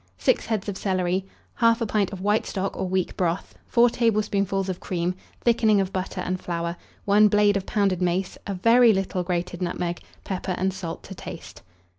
6 heads of celery, 1/2 pint of white stock or weak broth, 4 tablespoonfuls of cream, thickening of butter and flour, 1 blade of pounded mace, a very little grated nutmeg; pepper and salt to taste.